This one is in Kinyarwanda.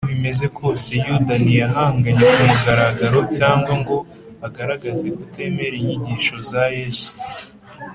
uko bimeze kose yuda ntiyahanganye ku mugaragaro, cyangwa ngo agaragaze kutemera inyigisho za yesu